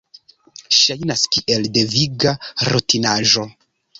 Ŝajnas kiel deviga rutinaĵo.